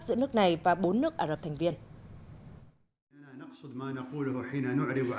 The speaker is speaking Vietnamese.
giữa nước này và bốn nước ả rập thành viên